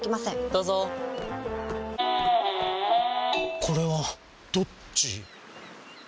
どうぞこれはどっち？